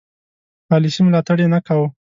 پالیسي ملاتړ یې نه کاوه.